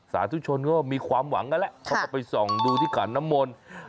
สาธุชนก็มีความหวังกันแล้วเขาก็ไปส่องดูที่ขันน้ำมนต์